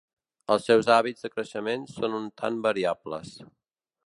Els seus hàbits de creixement són un tant variables.